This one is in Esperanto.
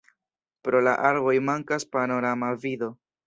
Pro la arboj mankas panorama vido.